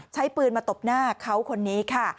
ใช้ปืนมาตบหน้าเขาคนนี้ค่ะ